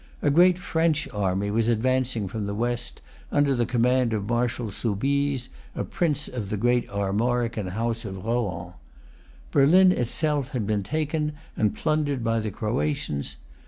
A great French army was advancing from the West under the command of Marshal Soubise, a prince of the great Armorican House of Rohan. Berlin itself had been taken and plundered by the Croatians.